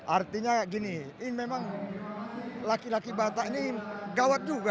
artinya gini ini memang laki laki batak ini gawat juga